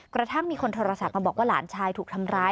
กระทั่งมีคนโทรศัพท์มาบอกว่าหลานชายถูกทำร้าย